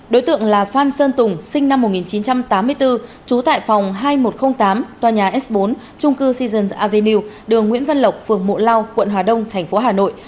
đối tượng là phan sơn tùng sinh năm một nghìn chín trăm tám mươi bốn trú tại phòng hai nghìn một trăm linh tám tòa nhà s bốn trung cư seasons avenue đường nguyễn văn lộc phường mộ lao quận hòa đông thành phố hà nội